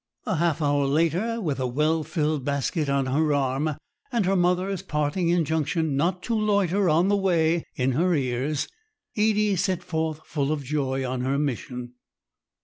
A half hour later, with a well filled basket on her arm, and her mother's parting injunction not to loiter on the way in her ears, Edie set forth full of joy on her mission.